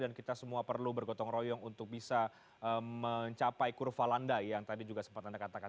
dan kita semua perlu bergotong royong untuk bisa mencapai kurva landai yang tadi juga sempat anda katakan